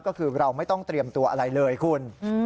ก็คือเราไม่ต้องเตรียมตัวอะไรเลยคุณ